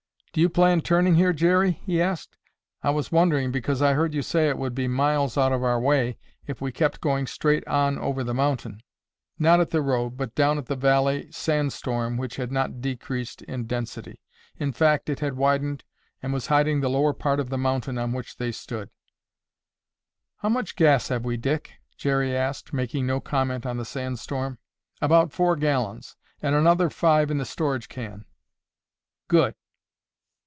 "Do you plan turning here, Jerry?" he asked. "I was wondering, because I heard you say it would be miles out of our way, if we kept going straight on over the mountain." Before answering, Jerry stood, looking, not at the road, but down at the valley sand storm which had not decreased in density. In fact it had widened and was hiding the lower part of the mountain on which they stood. "How much gas have we, Dick?" Jerry asked, making no comment on the sand storm. "About four gallons. And another five in the storage can." "Good!"